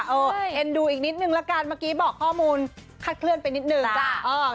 เอ็นดูอีกนิดนึงละกันเมื่อกี้บอกข้อมูลคาดเคลื่อนไปนิดนึงจ้ะ